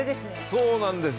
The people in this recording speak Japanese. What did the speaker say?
そうなんです。